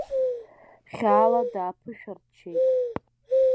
Хьаала дааԥышәарччеит.